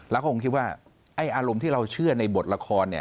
แล้วเขาคงคิดว่าอารมณ์ที่เราเชื่อในบทละครเนี่ย